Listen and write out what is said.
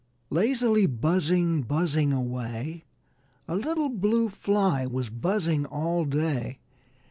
Lazily buzzing, buzzing away, A little Blue Fly was buzzing all day.